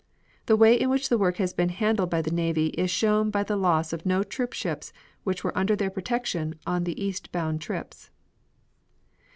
The way in which the work has been handled by the navy is shown by the loss of no troop ships which were under their protection on the eastbound trips.